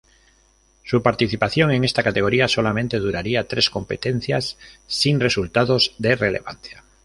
Su participación en esta categoría, solamente duraría tres competencias sin resultados de relevancia.